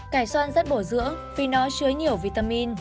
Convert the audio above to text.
cải xoăn rất bổ dưỡng vì nó chứa nhiều vitamin